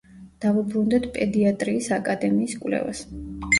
დავუბრუნდეთ პედიატრიის აკადემიის კვლევას.